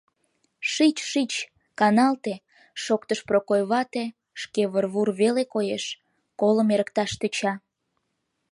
— Шич-шич, каналте! — шоктыш Прокой вате, шке выр-вур веле коеш, колым эрыкташ тӧча.